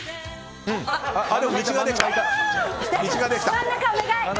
道ができた。